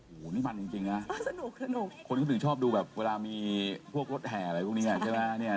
โอ้โฮนี่มันจริงนะคนก็ถึงชอบดูแบบเวลามีทั่วโปรดแห่อะไรพวกนี้ใช่ไหม